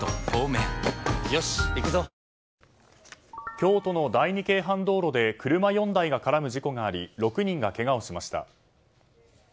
京都の第二京阪道路で車４台が絡む事故があり６人がけがをしました。